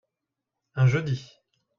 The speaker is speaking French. Un jeudi.